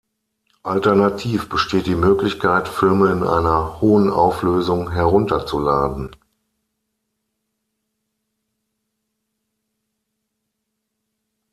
Alternativ besteht die Möglichkeit, Filme in einer hohen Auflösung herunterzuladen.